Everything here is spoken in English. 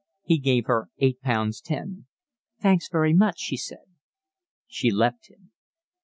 He gave her eight pounds ten. "Thanks very much," she said. She left him.